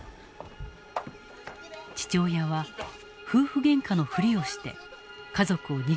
父親は夫婦げんかのふりをして家族を逃がそうとした。